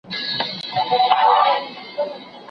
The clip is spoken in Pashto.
د قسمت له زوره مات یم خپل تندي ته مختورن یم